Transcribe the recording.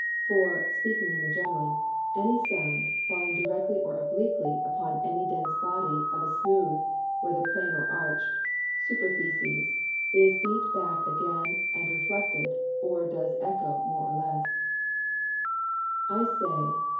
For (speaking in the general) _Any Sound, falling directly or obliquely upon any dense Body, of a smooth (whether Plane or Arch'd) Superficies, is beat back again and reflected, or does eccho more or less_. I say (1.)